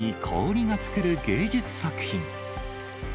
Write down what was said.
まさに氷が作る芸術作品。